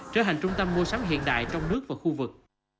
trở thành trung tâm mua sắm hiện đại trong nước và khu vực